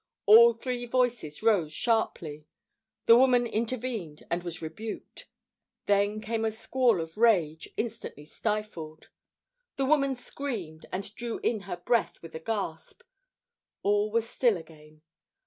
All three voices rose sharply. The woman intervened, and was rebuked. Then came a squall of rage, instantly stifled. The woman screamed, and drew in her breath with a gasp. All was still again.